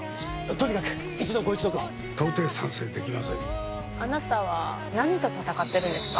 とにかく一度ご一読を到底賛成できませんあなたは何と戦ってるんですか？